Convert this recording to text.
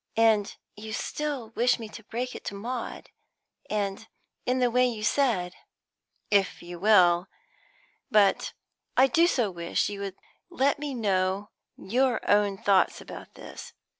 "And you still wish me to break it to Maud, and in the way you said?" "If you will. But I do so wish you would let me know your own thoughts about this.